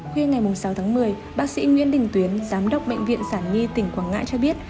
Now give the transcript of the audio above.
khuya ngày sáu tháng một mươi bác sĩ nguyễn đình tuyến giám đốc bệnh viện sản nhi tỉnh quảng ngãi cho biết